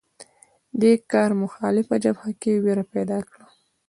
دې کار مخالفه جبهه کې وېره پیدا کړه